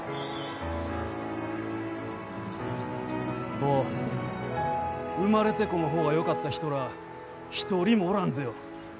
坊、生まれてこん方がよかった人らあ一人もおらんぜよ。